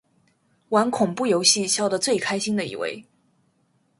玩恐怖游戏笑得最开心的一位